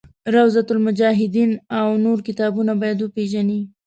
روضة المجاهدین او نور کتابونه باید وپېژني.